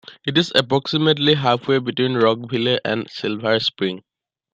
It is approximately halfway between Rockville and Silver Spring.